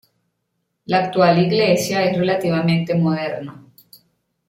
La actual iglesia es relativamente moderna.